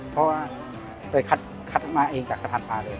เพราะ้ไปคัดมาเองากับขนาดปาดัง